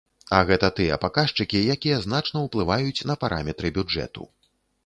А гэта тыя паказчыкі, якія значна ўплываюць на параметры бюджэту.